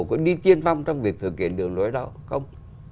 có đi tiên phong trong việc thực hiện đường lối đó không